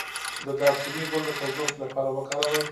د دارچینی ګل د تودوخې لپاره وکاروئ